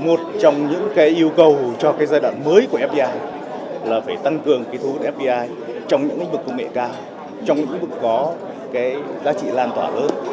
một trong những yêu cầu cho giai đoạn mới của fdi là phải tăng cường thu hút fdi trong những lĩnh vực công nghệ cao trong những lĩnh vực có cái giá trị lan tỏa lớn